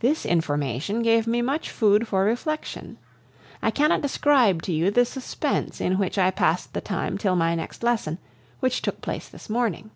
This information gave me much food for reflection. I cannot describe to you the suspense in which I passed the time till my next lesson, which took place this morning.